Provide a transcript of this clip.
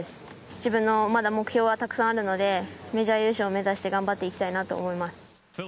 自分の目標はまだたくさんあるので、メジャー優勝を目指して頑張っていきたいなと思います。